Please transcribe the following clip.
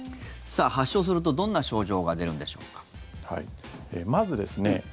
発症するとどんな症状が出るんでしょうか？